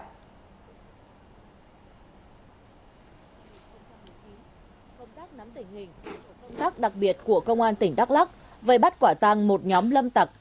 công tác đặc biệt của công an tỉnh đắk lắk với bắt quả tăng một nhóm lâm tặc